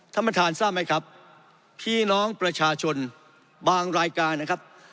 ท่านประธานทราบไหมครับพี่น้องประชาชนบางรายการนะครับ